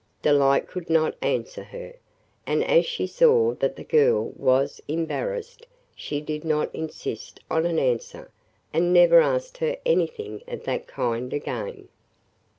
Delight could not answer her, and as she saw that the girl was embarrassed she did not insist on an answer and never asked her anything of that kind again.